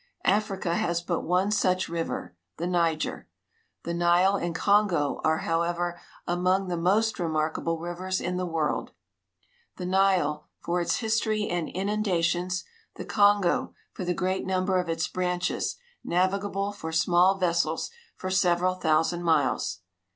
Africa has but one such river — the Niger. The Nile and Kongo are, however, among the most remarkable rivers in the world ; the Nile, for its history and inundations; the Kongo, for the great number of its branches, navigable for small vessels for several thousand miles.